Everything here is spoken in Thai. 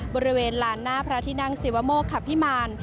บริเวณลานหน้าพระธินั่งสิวโมกขับพิมาร